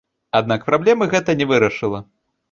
Аднак праблемы гэта не вырашыла.